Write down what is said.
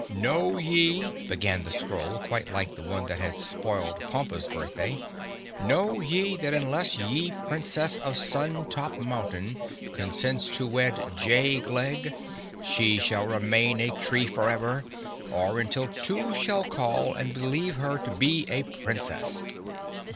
"Know ye," began the scroll quite like the one that had spoiled Pompa's birthday, "know ye that unless ye Princess of Sun Top Mountain consents to wed J. Glegg she shall remain a tree forever, or until two shall call and believe her to be a Princess.